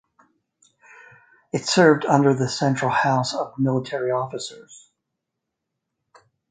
It served under the Central House of Military Officers.